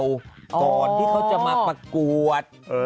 ก่อนที่เขาจะมาประกวด